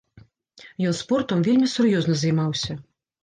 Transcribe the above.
Ён спортам вельмі сур'ёзна займаўся.